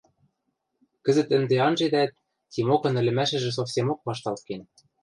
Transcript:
Кӹзӹт ӹнде анжетӓт, Тимокын ӹлӹмӓшӹжӹ совсемок вашталт кен.